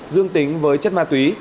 dương tính với chất ma túy